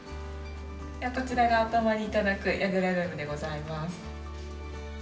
こちらがお泊りいただくやぐらルームでございます。